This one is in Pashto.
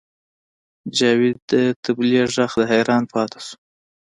جاوید د طبلې غږ ته حیران پاتې شو